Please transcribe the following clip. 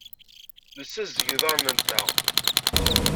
Nessazdeg iḍarren-nteɣ.